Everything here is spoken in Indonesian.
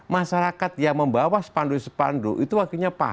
masyarakat yang membawa sepandu sepandu itu akhirnya paham